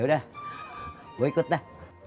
yaudah gue ikut dah